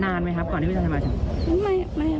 นานไหมครับก่อนที่ผู้ชายมาถึง